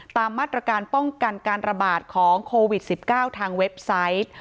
ตามมาตรการป้องกันการระบาดของโควิด๑๙ทางเว็บไซต์